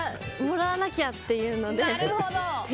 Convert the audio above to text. もらわなきゃっていうので。